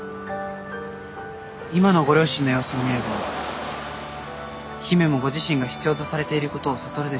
今のご両親の様子を見れば姫もご自身が必要とされていることを悟るでしょう。